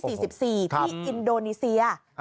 ที่อินโดนีเซีย